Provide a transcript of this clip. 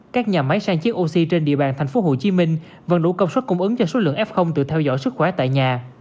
các nhà máy sang chiếc oxy trên địa bàn thành phố hồ chí minh vẫn đủ công suất cung ứng cho số lượng f tự theo dõi sức khỏe tại nhà